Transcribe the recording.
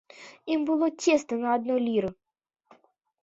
Ім было цесна на адной ліры.